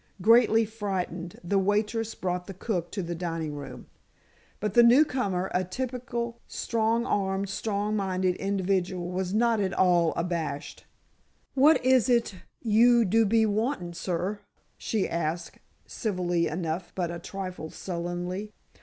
Greatly frightened, the waitress brought the cook to the dining room. But the newcomer, a typical, strong armed, strong minded individual, was not at all abashed. "What is it you do be wantin', sor?" she asked, civilly enough, but a trifle sullenly.